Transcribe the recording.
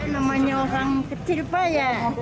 namanya orang kecil pak ya